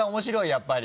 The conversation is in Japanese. やっぱり。